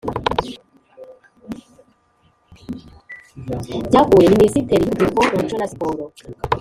byakuwe:minisiteri y’urubyiruko, umuco na siporo